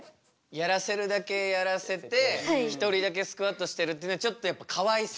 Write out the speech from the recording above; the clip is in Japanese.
やらせるだけやらせて一人だけスクワットしてるっていうのはちょっとやっぱりかわいそう？